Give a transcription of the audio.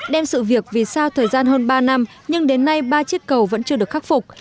đem sự việc vì sao thời gian hơn ba năm nhưng đến nay ba chiếc cầu vẫn chưa được khắc phục